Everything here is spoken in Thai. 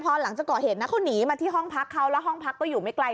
พอหลังจากก่อเหตุนะเขาหนีมาที่ห้องพักเขาแล้วห้องพักก็อยู่ไม่ไกล